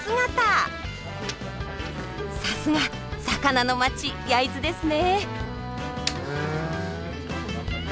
さすが魚の町焼津ですね。